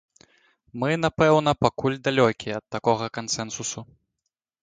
Мы, напэўна, пакуль далёкія ад такога кансэнсусу.